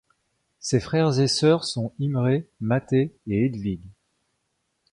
Ses frères et sœurs sont Imre, Máté et Hedvig.